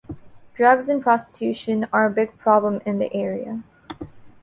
Drugs and prostitution are a big problem in the area.